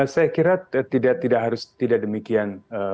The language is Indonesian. saya kira tidak harus tidak demikian